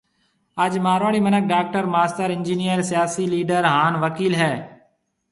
آج مارواڙي مِنک ڊاڪٽر، ماستر ، انجينئر، سياسي ليڊر ھان وڪيل ھيَََ